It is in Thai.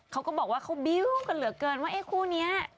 เขาก็บอกว่าเขาบิ้วกันเหลือเกินว่าเอ๊ะคู่นี้